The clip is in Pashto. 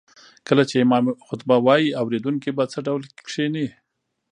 کله چې امام خطبه وايي اوريدونکي به څه ډول کيني